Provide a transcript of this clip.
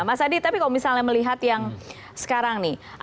mas adi tapi kalau misalnya melihat yang sekarang nih